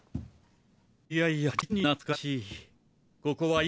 いやいや実に懐かしい。